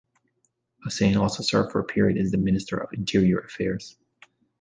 Hussein also served for a period as the Minister of Interior Affairs.